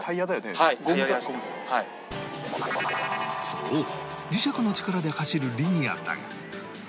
そう磁石の力で走るリニアだが